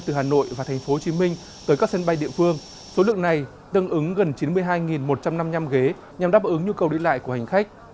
từ hà nội và tp hcm tới các sân bay địa phương số lượng này tương ứng gần chín mươi hai một trăm năm mươi năm ghế nhằm đáp ứng nhu cầu đi lại của hành khách